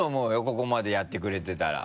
ここまでやってくれてたら。